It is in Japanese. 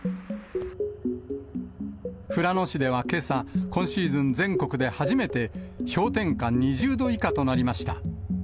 富良野市ではけさ、今シーズン全国で初めて、氷点下２０度以下となりました。